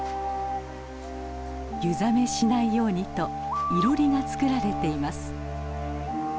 湯冷めしないようにといろりが作られています。